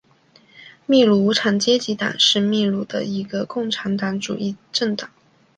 秘鲁无产阶级党是秘鲁的一个共产主义政党。